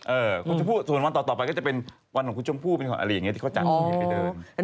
เออส่วนวันต่อไปก็จะเป็นวันของคุณชมพู่อะไรอย่างนี้ที่เขาจัดไปเดิน